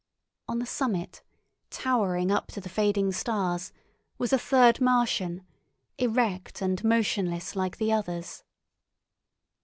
On the summit, towering up to the fading stars, was a third Martian, erect and motionless like the others.